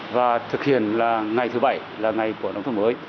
và thực hiện là ngày thứ bảy là ngày của nông thôn mới